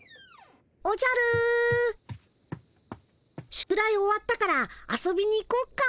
宿題終わったから遊びに行こっか。